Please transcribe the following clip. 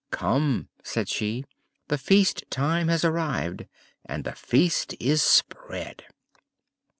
"Come," said she; "the feast time has arrived and the feast is spread."